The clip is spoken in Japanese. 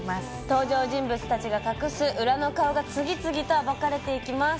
登場人物たちが隠す裏の顔が次々と暴かれていきます。